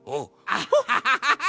アッハハハハ！